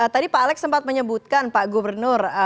tadi pak alex sempat menyebutkan pak gubernur